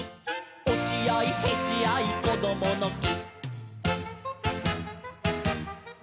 「おしあいへしあいこどものき」